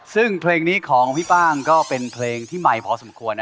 ซึ่งเพลงนี้ของพี่ป้างก็เป็นเพลงที่ไมค์พอสมควร